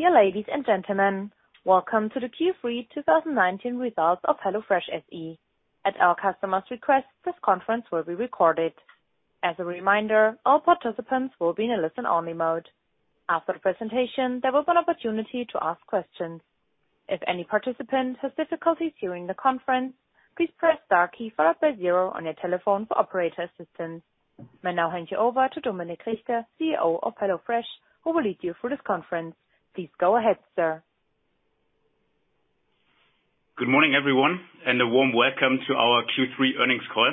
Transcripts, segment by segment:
Dear ladies and gentlemen, welcome to the Q3 2019 results of HelloFresh SE. At our customers' request, this conference will be recorded. As a reminder, all participants will be in a listen-only mode. After the presentation, there will be an opportunity to ask questions. If any participant has difficulties during the conference, please press * followed by zero on your telephone for operator assistance. May now hand you over to Dominik Richter, CEO of HelloFresh, who will lead you through this conference. Please go ahead, sir. Good morning, everyone, and a warm welcome to our Q3 earnings call.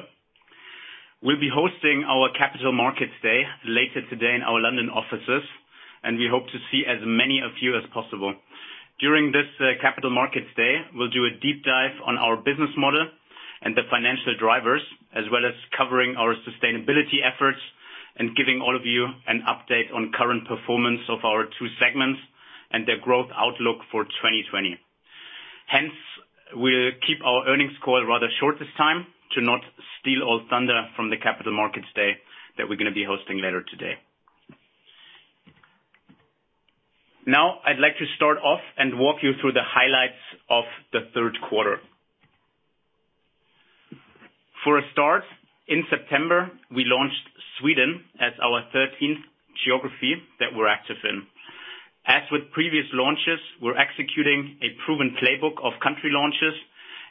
We'll be hosting our Capital Markets Day later today in our London offices, and we hope to see as many of you as possible. During this Capital Markets Day, we'll do a deep dive on our business model and the financial drivers, as well as covering our sustainability efforts and giving all of you an update on current performance of our two segments and their growth outlook for 2020. We'll keep our earnings call rather short this time to not steal all thunder from the Capital Markets Day that we're going to be hosting later today. I'd like to start off and walk you through the highlights of the third quarter. In September, we launched Sweden as our 13th geography that we're active in. As with previous launches, we're executing a proven playbook of country launches,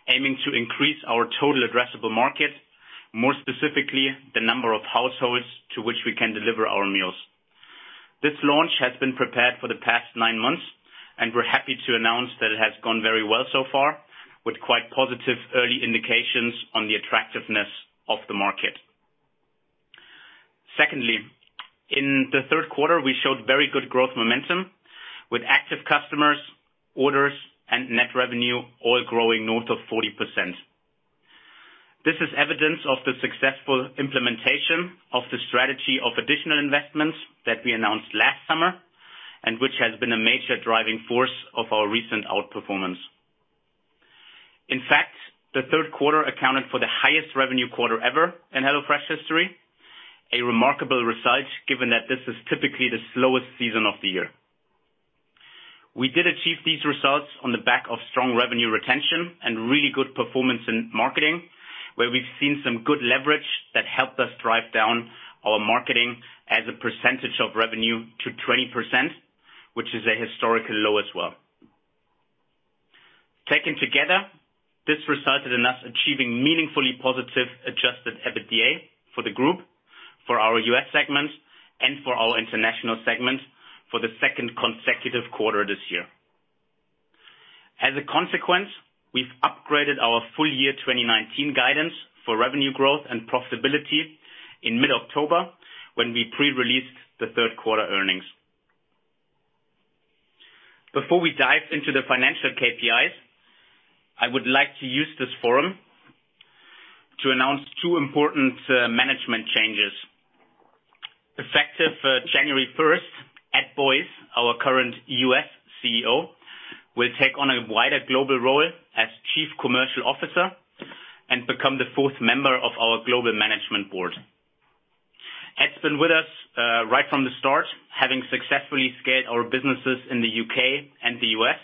aiming to increase our total addressable market, more specifically, the number of households to which we can deliver our meals. This launch has been prepared for the past nine months, and we're happy to announce that it has gone very well so far, with quite positive early indications on the attractiveness of the market. Secondly, in the third quarter, we showed very good growth momentum with active customers, orders, and net revenue all growing north of 40%. This is evidence of the successful implementation of the strategy of additional investments that we announced last summer, and which has been a major driving force of our recent outperformance. In fact, the third quarter accounted for the highest revenue quarter ever in HelloFresh history, a remarkable result given that this is typically the slowest season of the year. We did achieve these results on the back of strong revenue retention and really good performance in marketing, where we've seen some good leverage that helped us drive down our marketing as a percentage of revenue to 20%, which is a historical low as well. Taken together, this resulted in us achieving meaningfully positive adjusted EBITDA for the group, for our US segment, and for our international segment for the second consecutive quarter this year. As a consequence, we've upgraded our full year 2019 guidance for revenue growth and profitability in mid-October when we pre-released the third quarter earnings. Before we dive into the financial KPIs, I would like to use this forum to announce two important management changes. Effective January 1st, Ed Boyes, our current US CEO, will take on a wider global role as Chief Commercial Officer and become the fourth member of our global management board. Ed's been with us right from the start, having successfully scaled our businesses in the U.K. and the U.S.,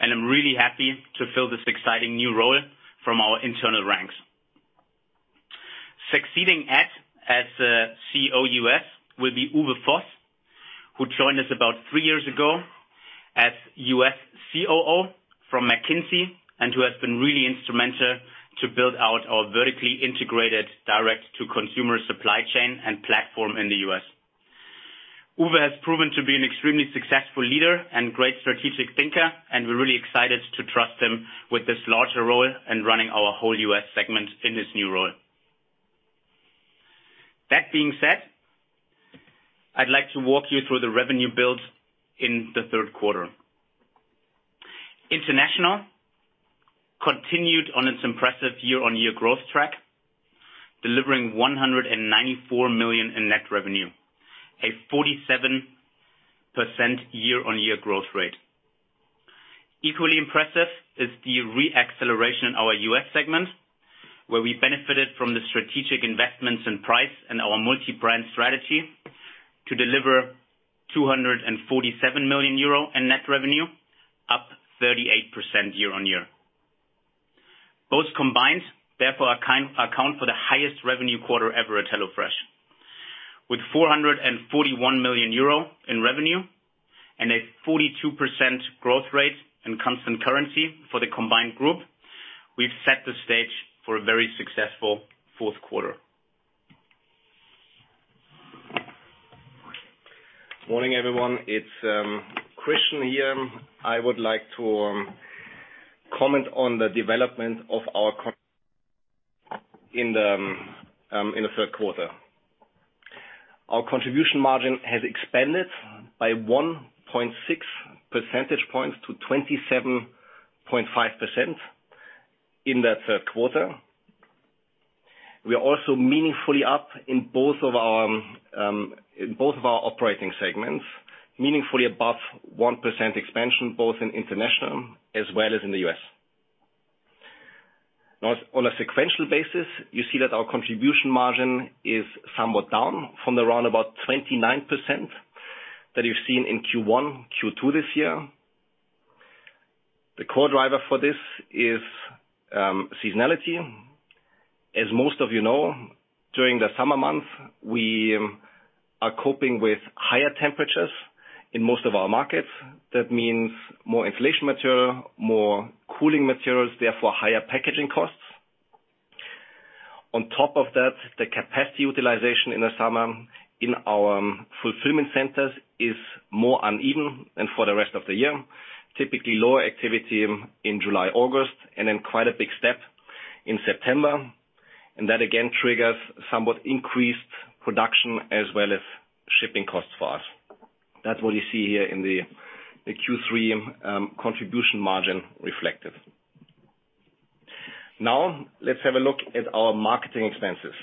I'm really happy to fill this exciting new role from our internal ranks. Succeeding Ed as Chief Executive Officer U.S. will be Uwe Voss, who joined us about three years ago as U.S. COO from McKinsey and who has been really instrumental to build out our vertically integrated direct-to-consumer supply chain and platform in the U.S. Uwe has proven to be an extremely successful leader and great strategic thinker, we're really excited to trust him with this larger role in running our whole U.S. segment in his new role. That being said, I'd like to walk you through the revenue build in the third quarter. International continued on its impressive year-on-year growth track, delivering 194 million in net revenue, a 47% year-on-year growth rate. Equally impressive is the re-acceleration in our U.S. segment, where we benefited from the strategic investments in price and our multi-brand strategy to deliver 247 million euro in net revenue, up 38% year-on-year. Both combined, therefore account for the highest revenue quarter ever at HelloFresh. With 441 million euro in revenue and a 42% growth rate in constant currency for the combined group, we've set the stage for a very successful fourth quarter. Morning, everyone. It's Christian here. I would like to comment on the development of our in the third quarter. Our contribution margin has expanded by 1.6 percentage points to 27.5% in that third quarter. We are also meaningfully up in both of our operating segments, meaningfully above 1% expansion, both in international as well as in the U.S. Now on a sequential basis, you see that our contribution margin is somewhat down from around about 29% that you've seen in Q1, Q2 this year. The core driver for this is seasonality. As most of you know, during the summer months, we are coping with higher temperatures in most of our markets. That means more insulation material, more cooling materials, therefore higher packaging costs. On top of that, the capacity utilization in the summer in our fulfillment centers is more uneven than for the rest of the year. Typically, lower activity in July, August, quite a big step in September. That again triggers somewhat increased production as well as shipping costs for us. That's what you see here in the Q3 contribution margin reflective. Let's have a look at our marketing expenses.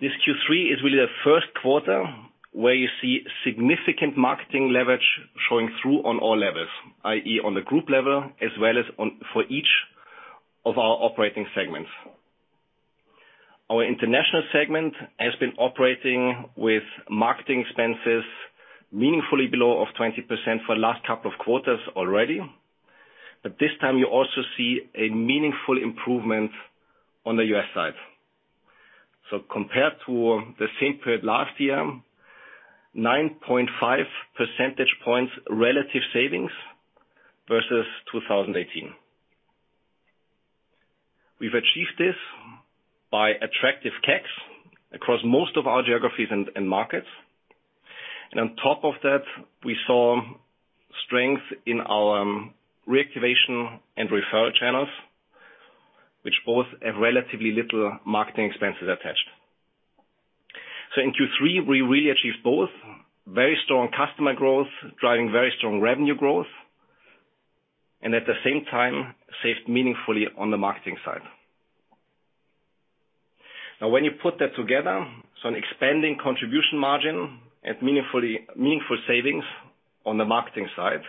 This Q3 is really the first quarter where you see significant marketing leverage showing through on all levels, i.e., on the group level as well as for each of our operating segments. Our international segment has been operating with marketing expenses meaningfully below of 20% for the last couple of quarters already. This time you also see a meaningful improvement on the U.S. side. Compared to the same period last year, 9.5 percentage points relative savings versus 2018. We've achieved this by attractive CACs across most of our geographies and markets. On top of that, we saw strength in our reactivation and referral channels, which both have relatively little marketing expenses attached. In Q3, we really achieved both very strong customer growth, driving very strong revenue growth, and at the same time, saved meaningfully on the marketing side. When you put that together, an expanding contribution margin and meaningful savings on the marketing side,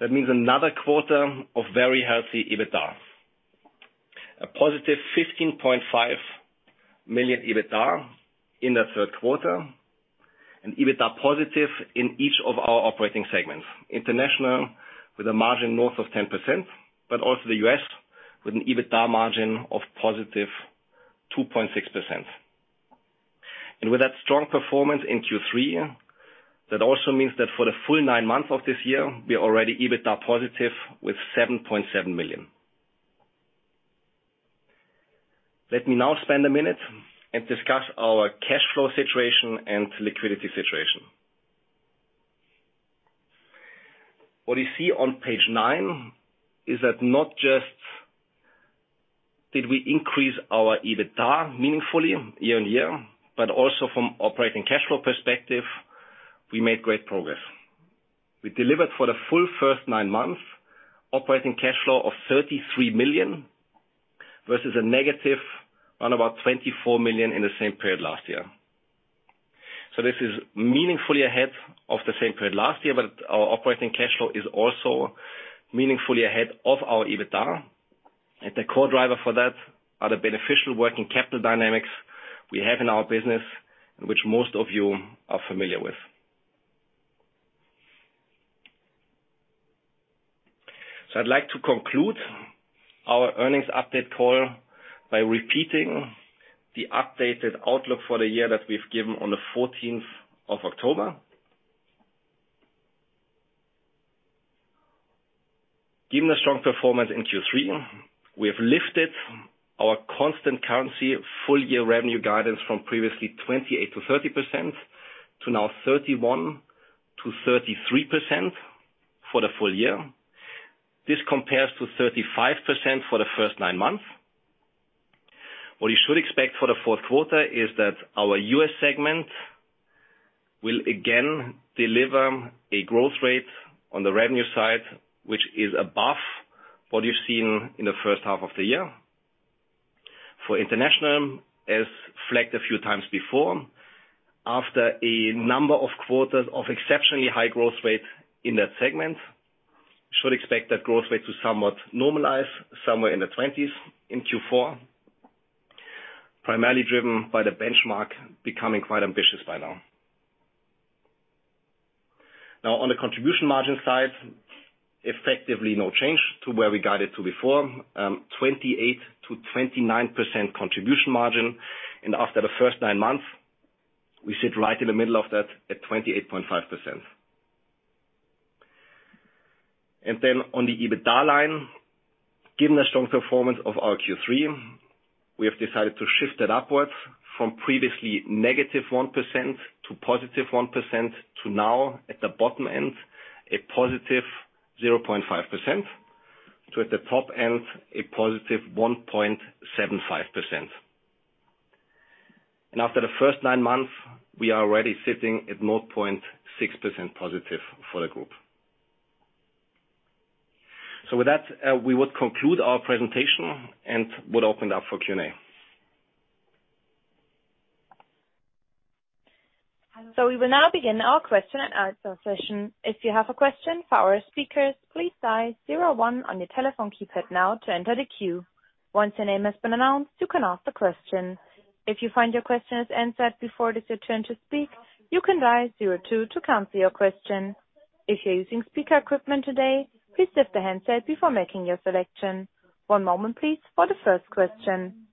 that means another quarter of very healthy EBITDA. A positive 15.5 million EBITDA in the third quarter, and EBITDA positive in each of our operating segments. International with a margin north of 10%, but also the U.S. with an EBITDA margin of positive 2.6%. With that strong performance in Q3, that also means that for the full nine months of this year, we are already EBITDA positive with 7.7 million. Let me now spend a minute and discuss our cash flow situation and liquidity situation. What you see on page nine is that not just did we increase our EBITDA meaningfully year-on-year, also from operating cash flow perspective, we made great progress. We delivered for the full first nine months operating cash flow of 33 million versus a negative around about 24 million in the same period last year. This is meaningfully ahead of the same period last year, our operating cash flow is also meaningfully ahead of our EBITDA. The core driver for that are the beneficial working capital dynamics we have in our business and which most of you are familiar with. I'd like to conclude our earnings update call by repeating the updated outlook for the year that we've given on the 14th of October. Given the strong performance in Q3, we have lifted our constant currency full-year revenue guidance from previously 28%-30% to now 31%-33% for the full year. This compares to 35% for the first nine months. What you should expect for the fourth quarter is that our U.S. segment will again deliver a growth rate on the revenue side, which is above what you've seen in the first half of the year. For international, as flagged a few times before, after a number of quarters of exceptionally high growth rate in that segment, you should expect that growth rate to somewhat normalize somewhere in the 20s in Q4, primarily driven by the benchmark becoming quite ambitious by now. Now, on the contribution margin side, effectively no change to where we got it to before, 28%-29% contribution margin. After the first nine months, we sit right in the middle of that at 28.5%. On the EBITDA line, given the strong performance of our Q3, we have decided to shift it upwards from previously -1% to +1% to now at the bottom end, a +0.5%, to at the top end, a +1.75%. After the first nine months, we are already sitting at +0.6% for the group. With that, we would conclude our presentation and would open it up for Q&A. We will now begin our question and answer session. If you have a question for our speakers, please dial zero one on your telephone keypad now to enter the queue. Once your name has been announced, you can ask the question. If you find your question is answered before it is your turn to speak, you can dial zero two to cancel your question. If you're using speaker equipment today, please lift the handset before making your selection. One moment, please, for the first question.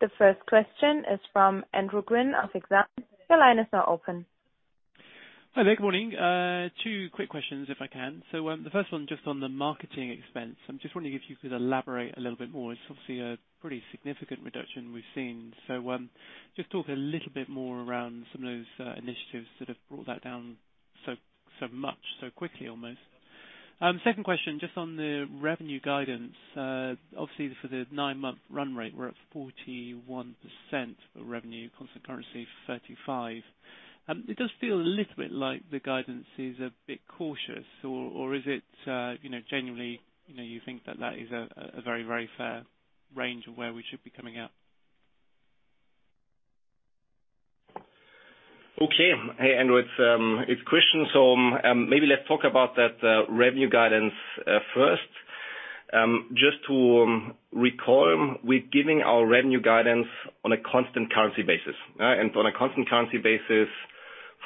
The first question is from Andrew Ross of Exane. Your line is now open. Hi there, good morning. Two quick questions if I can. The first one just on the marketing expense, I'm just wondering if you could elaborate a little bit more. It's obviously a pretty significant reduction we've seen. Just talk a little bit more around some of those initiatives that have brought that down so much, so quickly, almost. Second question, just on the revenue guidance. Obviously, for the nine-month run rate, we're at 41% of revenue, constant currency 35%. It does feel a little bit like the guidance is a bit cautious or is it genuinely you think that that is a very fair range of where we should be coming out? Okay. Hey, Andrew. It's Christian. Maybe let's talk about that revenue guidance first. Just to recall, we're giving our revenue guidance on a constant currency basis. On a constant currency basis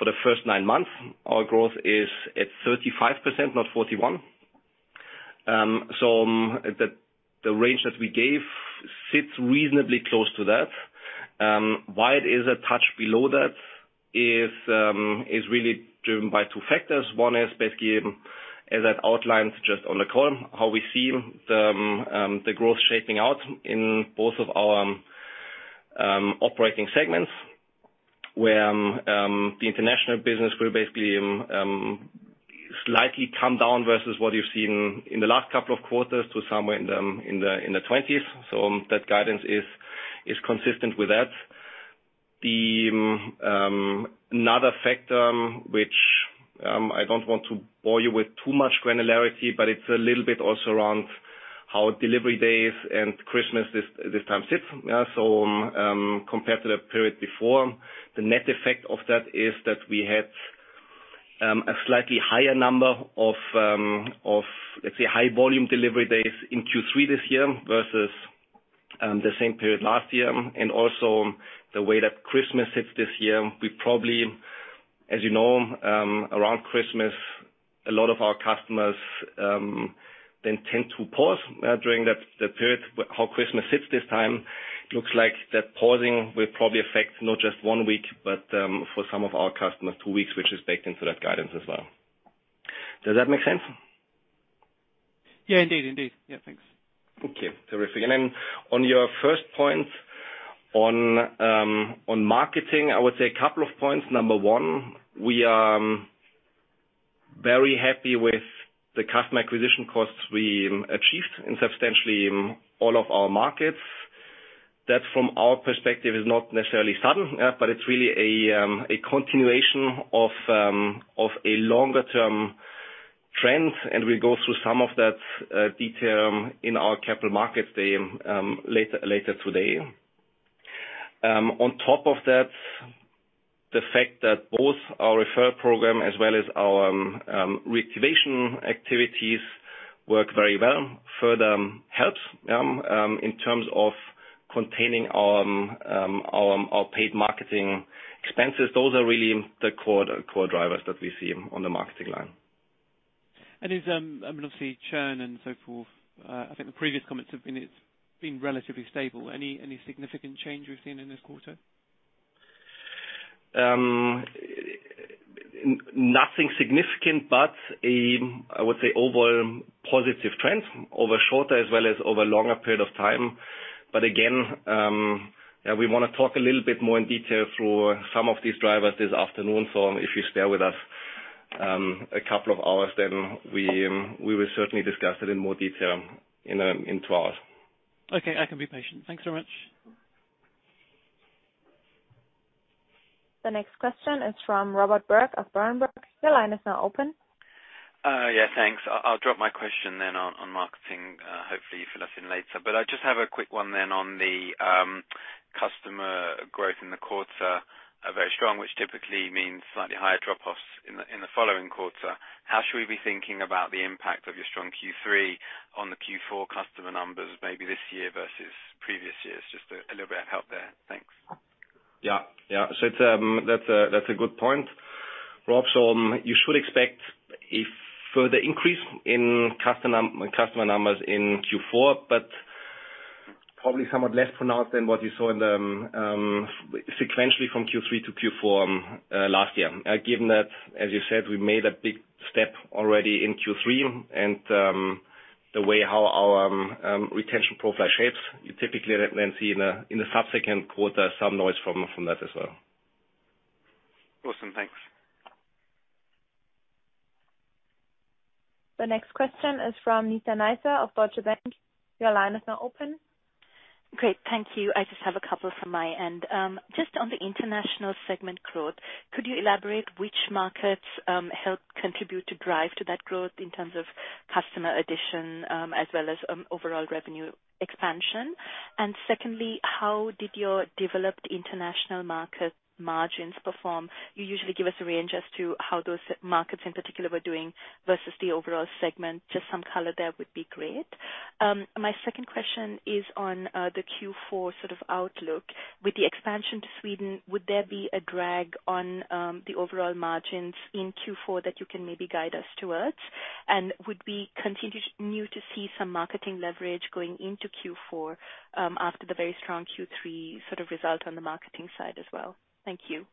for the first nine months, our growth is at 35%, not 41. The range that we gave sits reasonably close to that. Why it is a touch below that is really driven by two factors. One is basically, as I've outlined just on the call, how we see the growth shaping out in both of our operating segments, where the international business will basically slightly come down versus what you've seen in the last couple of quarters to somewhere in the twenties. That guidance is consistent with that. The other factor, which I don't want to bore you with too much granularity, it's a little bit also around how delivery days and Christmas this time sits. Compared to the period before, the net effect of that is that we had a slightly higher number of, let's say, high volume delivery days in Q3 this year versus the same period last year. Also the way that Christmas sits this year, as you know, around Christmas, a lot of our customers then tend to pause during that period. How Christmas sits this time looks like that pausing will probably affect not just one week, but for some of our customers, two weeks, which is baked into that guidance as well. Does that make sense? Yeah. Indeed. Thanks. Okay. Terrific. On your first point on marketing, I would say a couple of points. Number 1, we are very happy with the Customer Acquisition Costs we achieved in substantially all of our markets. That, from our perspective, is not necessarily sudden, but it's really a continuation of a longer term trend. We'll go through some of that detail in our Capital Markets Day later today. On top of that, the fact that both our refer program as well as our reactivation activities work very well, further helps in terms of containing our paid marketing expenses. Those are really the core drivers that we see on the marketing line. Obviously churn and so forth, I think the previous comments have been it's been relatively stable. Any significant change we've seen in this quarter? Nothing significant but I would say overall positive trend over shorter as well as over a longer period of time. Again, we want to talk a little bit more in detail through some of these drivers this afternoon. If you stay with us a couple of hours, then we will certainly discuss it in more detail in two hours. Okay. I can be patient. Thanks so much. The next question is from Robert Berg of Berenberg. Your line is now open. Yeah. Thanks. I'll drop my question then on marketing. Hopefully you fill us in later. I just have a quick one then on the customer growth in the quarter, very strong, which typically means slightly higher drop-offs in the following quarter. How should we be thinking about the impact of your strong Q3 on the Q4 customer numbers, maybe this year versus previous years? Just a little bit of help there. Thanks. Yeah. That's a good point, Rob. You should expect a further increase in customer numbers in Q4, but probably somewhat less pronounced than what you saw in the sequentially from Q3 to Q4 last year. Given that, as you said, we made a big step already in Q3 and the way how our retention profile shapes, you typically then see in the subsequent quarter some noise from that as well. Awesome. Thanks. The next question is from Nizla Naizer of Deutsche Bank. Your line is now open. Great. Thank you. I just have a couple from my end. Just on the international segment growth, could you elaborate which markets helped contribute to drive to that growth in terms of customer addition, as well as overall revenue expansion? Secondly, how did your developed international market margins perform? You usually give us a range as to how those markets in particular were doing versus the overall segment. Just some color there would be great. My second question is on the Q4 sort of outlook. With the expansion to Sweden, would there be a drag on the overall margins in Q4 that you can maybe guide us towards? Would we continue to see some marketing leverage going into Q4, after the very strong Q3 sort of result on the marketing side as well? Thank you.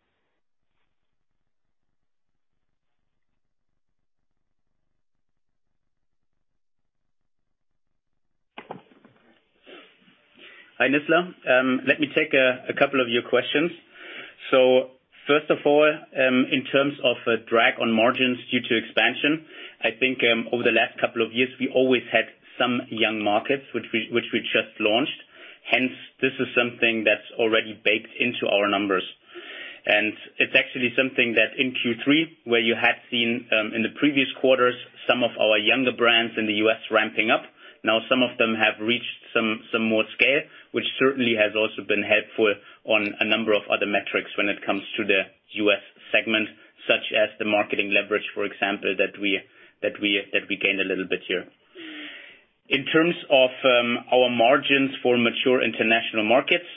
Hi, Nizla. Let me take a couple of your questions. First of all, in terms of a drag on margins due to expansion, I think over the last couple of years, we always had some young markets which we just launched. This is something that's already baked into our numbers. It's actually something that in Q3, where you had seen, in the previous quarters, some of our younger brands in the U.S. ramping up. Some of them have reached some more scale, which certainly has also been helpful on a number of other metrics when it comes to the U.S. segment, such as the marketing leverage, for example, that we gained a little bit here. In terms of our margins for mature international markets,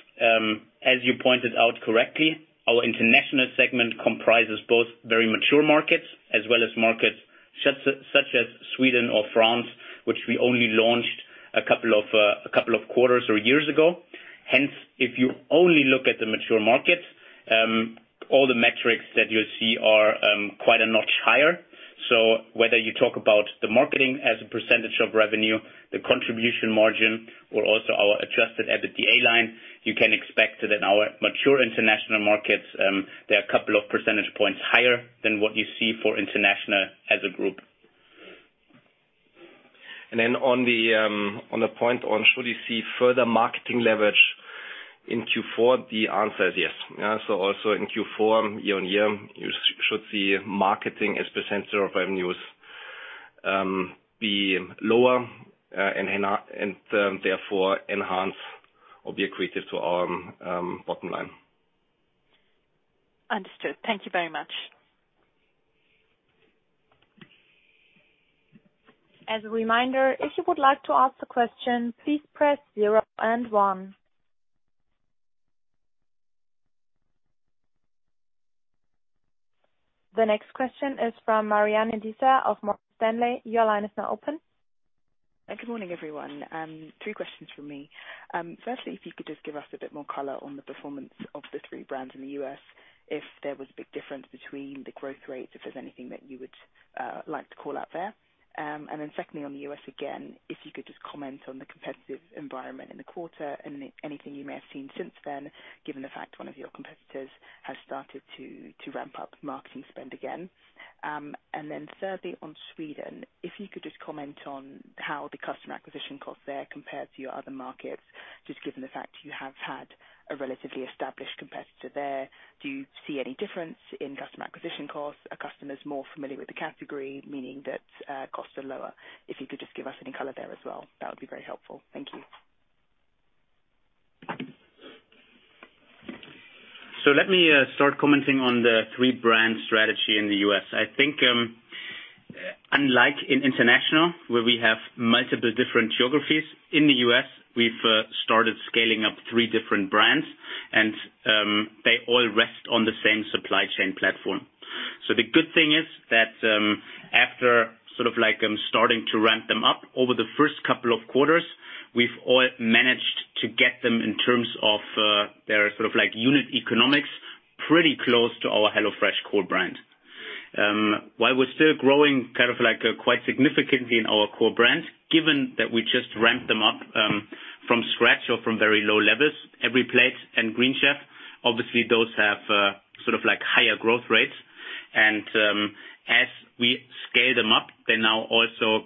as you pointed out correctly, our international segment comprises both very mature markets as well as markets such as Sweden or France, which we only launched a couple of quarters or years ago. If you only look at the mature markets, all the metrics that you see are quite a notch higher. Whether you talk about the marketing as a percentage of revenue, the contribution margin, or also our adjusted EBITDA line, you can expect that in our mature international markets, they are a couple of percentage points higher than what you see for international as a group. On the point on should you see further marketing leverage in Q4, the answer is yes. Also in Q4, year-on-year, you should see marketing as a % of revenues be lower, and therefore enhance or be accretive to our bottom line. Understood. Thank you very much. As a reminder, if you would like to ask a question, please press zero and one. The next question is from Marianne Idesheim of Morgan Stanley. Your line is now open. Good morning, everyone. Three questions from me. Firstly, if you could just give us a bit more color on the performance of the three brands in the U.S., if there was a big difference between the growth rates, if there's anything that you would like to call out there. Secondly, on the U.S. again, if you could just comment on the competitive environment in the quarter and anything you may have seen since then, given the fact one of your competitors has started to ramp up marketing spend again. Thirdly, on Sweden, if you could just comment on how the customer acquisition cost there compared to your other markets, just given the fact you have had a relatively established competitor there. Do you see any difference in customer acquisition costs? Are customers more familiar with the category, meaning that costs are lower? If you could just give us any color there as well, that would be very helpful. Thank you. Let me start commenting on the three-brand strategy in the U.S. I think, unlike in international, where we have multiple different geographies, in the U.S., we've started scaling up three different brands and they all rest on the same supply chain platform. The good thing is that after sort of starting to ramp them up over the first couple of quarters, we've all managed to get them in terms of their unit economics, pretty close to our HelloFresh core brand. While we're still growing quite significantly in our core brands, given that we just ramped them up from scratch or from very low levels, EveryPlate and Green Chef, obviously, those have higher growth rates. As we scale them up, they now also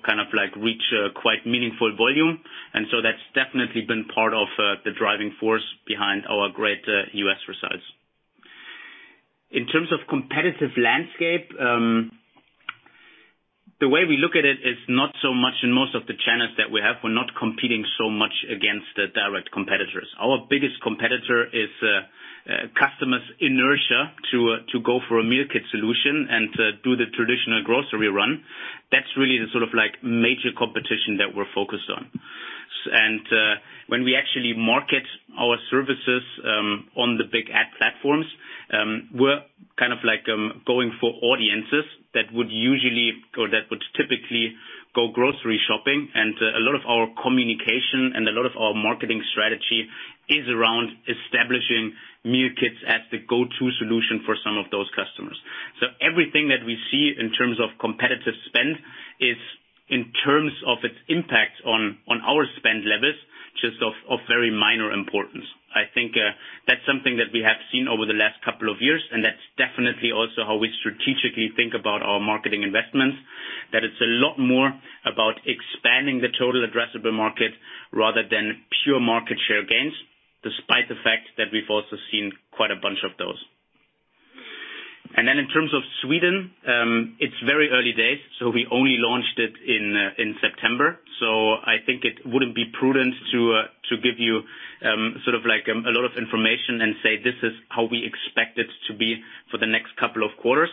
reach a quite meaningful volume. That's definitely been part of the driving force behind our great U.S. results. In terms of competitive landscape, the way we look at it is not so much in most of the channels that we have, we're not competing so much against the direct competitors. Our biggest competitor is customers' inertia to go for a Meal Kit solution and to do the traditional grocery run. That's really the major competition that we're focused on. When we actually market our services on the big ad platforms, we're going for audiences that would usually or that would typically go grocery shopping. A lot of our communication and a lot of our marketing strategy is around establishing Meal Kits as the go-to solution for some of those customers. Everything that we see in terms of competitive spend is in terms of its impact on our spend levels, just of very minor importance. I think that's something that we have seen over the last couple of years, and that's definitely also how we strategically think about our marketing investments. That it's a lot more about expanding the total addressable market rather than pure market share gains, despite the fact that we've also seen quite a bunch of those. In terms of Sweden, it's very early days, so we only launched it in September. I think it wouldn't be prudent to give you a lot of information and say, "This is how we expect it to be for the next couple of quarters."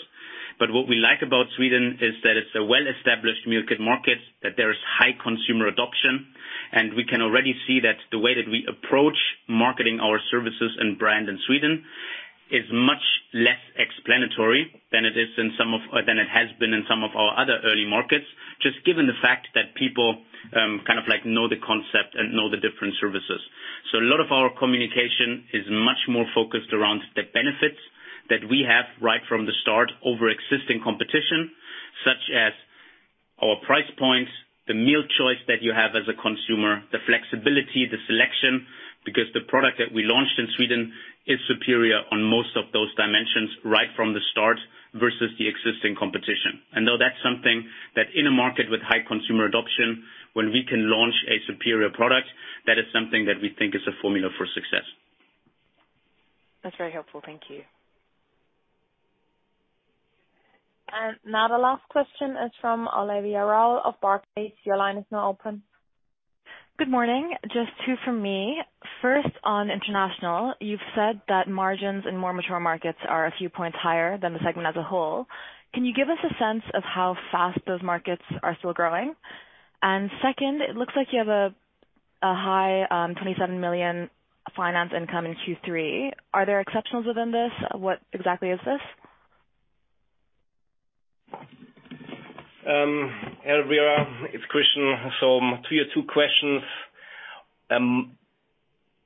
What we like about Sweden is that it's a well-established meal kit market, that there is high consumer adoption, and we can already see that the way that we approach marketing our services and brand in Sweden is much less explanatory than it has been in some of our other early markets, just given the fact that people know the concept and know the different services. A lot of our communication is much more focused around the benefits that we have right from the start over existing competition, such as our price points, the meal choice that you have as a consumer, the flexibility, the selection, because the product that we launched in Sweden is superior on most of those dimensions right from the start versus the existing competition. Though that's something that in a market with high consumer adoption, when we can launch a superior product, that is something that we think is a formula for success. That's very helpful. Thank you. Now the last question is from Olivia Rale of Barclays. Your line is now open. Good morning. Just two from me. First, on international, you've said that margins in more mature markets are a few points higher than the segment as a whole. Can you give us a sense of how fast those markets are still growing? Second, it looks like you have a high 27 million finance income in Q3. Are there exceptionals within this? What exactly is this? Olivia, it's Christian. To your two questions.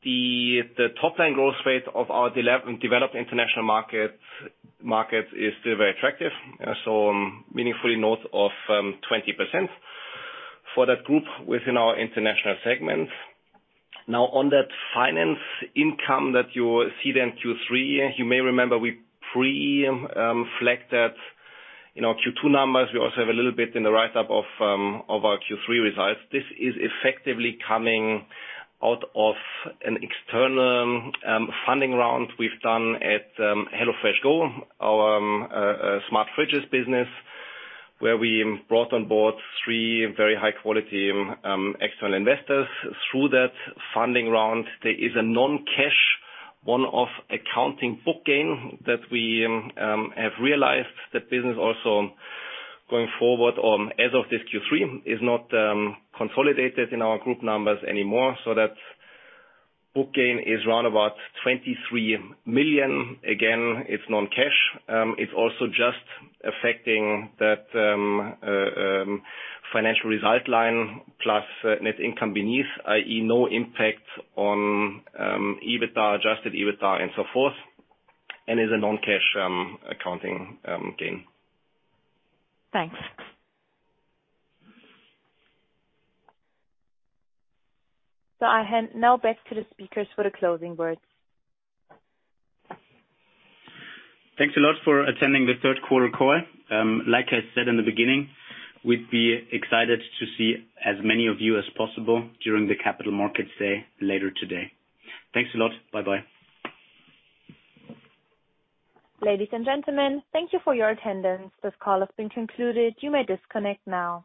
The top-line growth rate of our developed international markets is still very attractive. Meaningfully north of 20% for that group within our international segment. Now, on that finance income that you see there in Q3, you may remember we pre-flagged that in our Q2 numbers. We also have a little bit in the write-up of our Q3 results. This is effectively coming out of an external funding round we've done at HelloFresh Go, our smart fridges business, where we brought on board three very high-quality external investors. Through that funding round, there is a non-cash one-off accounting book gain that we have realized. That business also, going forward, as of this Q3, is not consolidated in our group numbers anymore. That book gain is around about 23 million. Again, it's non-cash. It's also just affecting that financial result line plus net income beneath, i.e., no impact on EBITDA, adjusted EBITDA and so forth, and is a non-cash accounting gain. Thanks. I hand now back to the speakers for the closing words. Thanks a lot for attending the third quarter call. Like I said in the beginning, we'd be excited to see as many of you as possible during the Capital Markets Day later today. Thanks a lot. Bye-bye. Ladies and gentlemen, thank you for your attendance. This call has been concluded. You may disconnect now.